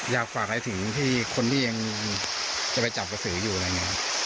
อยากฝากอะไรถึงที่คนที่ยังจะไปจับกระสืออยู่อะไรอย่างนี้ครับ